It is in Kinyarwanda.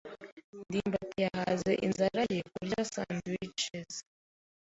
ndimbati yahaze inzara ye kurya sandwiches.